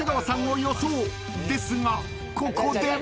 ［ですがここでも］